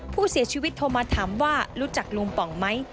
ผู้เสียชีวิตโทรมาถามว่ารู้จักลุงป่องไหม